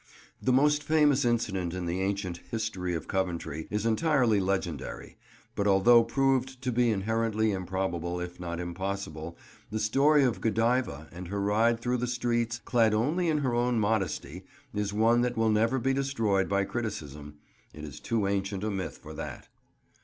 The most famous incident in the ancient "history" of Coventry is entirely legendary; but although proved to be inherently improbable, if not impossible, the story of Godiva and her ride through the streets clad only in her own modesty, is one that will never be destroyed by criticism. It is too ancient a myth for that.